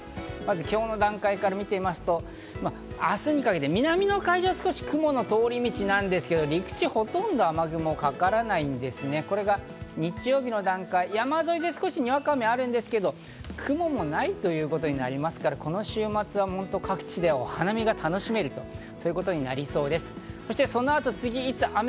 今日の段階から見てみますと、明日にかけて南の海上、少し雲の通り道なんですけど、陸地はほとんど雨雲がかからないんですね、これが、日曜日の段階、山沿いで少しにわか雨はあるんですが、雲もないということになりますから、この週末は各地でお花見が楽しめる、そういうことになりそうです。